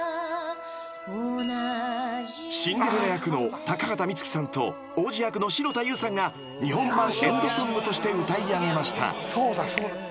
［シンデレラ役の高畑充希さんと王子役の城田優さんが日本版エンドソングとして歌い上げました］